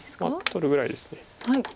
取るぐらいです。